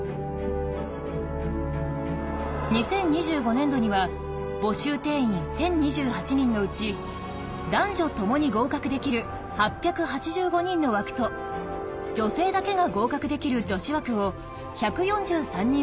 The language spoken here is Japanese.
２０２５年度には募集定員１，０２８人のうち男女ともに合格できる８８５人の枠と女性だけが合格できる女子枠を１４３人分設ける予定です。